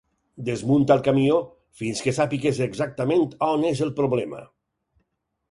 Desmunta el camió fins que sàpigues exactament on és el problema.